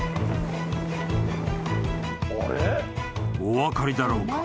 ［お分かりだろうか？］